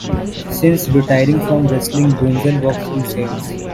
Since retiring from wrestling, Brunzell works in sales.